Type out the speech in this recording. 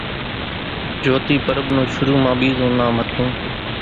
جھوتي پرٻ نون شرُو مان ٻيزون نام ھتون